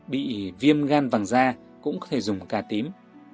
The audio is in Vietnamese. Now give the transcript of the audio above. bị viêm gan vàng da cũng có thể dùng cà tím